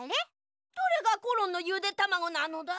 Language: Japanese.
どれがコロンのゆでたまごなのだ？